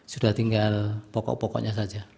sudah tinggal pokok pokoknya saja